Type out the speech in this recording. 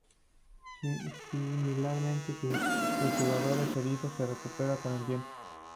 Similarmente, si el jugador es herido, se recuperará con el tiempo.